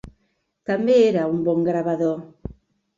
També era un bon gravador.